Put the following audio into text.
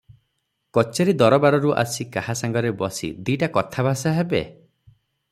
କଚେରି ଦରବାରରୁ ଆସି କାହା ସାଙ୍ଗରେ ବସି ଦି'ଟା କଥାଭାଷା ହେବେ?